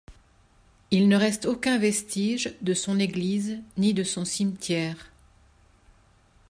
Il ne reste aucun vestige de son église ni de son cimetière.